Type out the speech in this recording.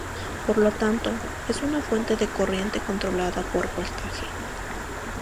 Por lo tanto, es una fuente de corriente controlada por voltaje.